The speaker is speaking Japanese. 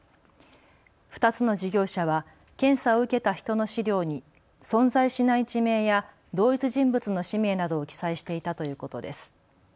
２つの事業者は検査を受けた人の資料に存在しない地名や同一人物の氏名などを記載していたということです。